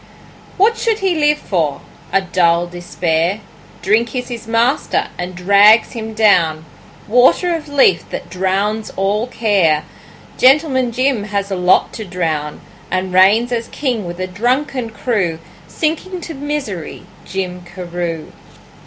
What should he live for? A dull despair! Drink is his master and drags him down, Water of Lethe that drowns all care. Gentleman Jim has a lot to drown, And he reigns as king with a drunken crew, Sinking to misery, Jim Carew.